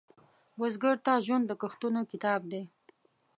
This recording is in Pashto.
بزګر ته ژوند د کښتونو کتاب دی